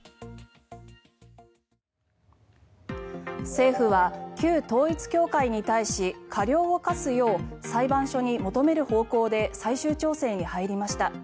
政府は、旧統一教会に対し過料を科すよう裁判所に求める方向で最終調整に入りました。